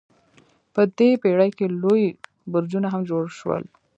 په دې پیړۍ کې لوی برجونه هم جوړ شول.